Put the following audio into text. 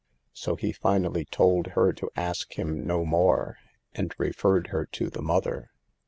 So he. finally told her to ask him no more, and referred her to the mother.